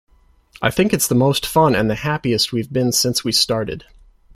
I think it's the most fun and the happiest we've been since we started.